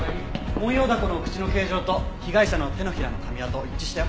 モンヨウダコの口の形状と被害者の手のひらの噛み跡一致したよ。